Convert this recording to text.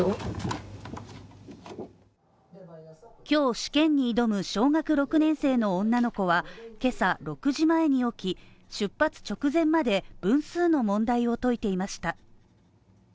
今日試験に挑む小学６年生の女の子は、今朝６時前に起き出発直前まで分数の問題を解いていました。